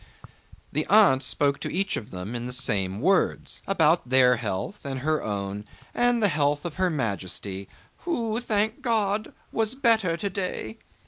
The aunt spoke to each of them in the same words, about their health and her own, and the health of Her Majesty, "who, thank God, was better today."